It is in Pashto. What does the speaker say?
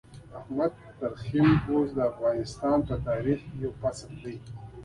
حامد درخيم اوس د افغانستان په تاريخ کې يو فصل دی.